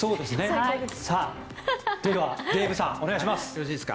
続いてはデーブさんお願いします。